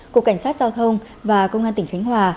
cục cảnh sát giao thông và công an tỉnh khánh hòa